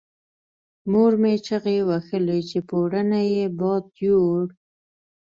مور مې چیغې وهلې چې پوړونی یې باد یووړ.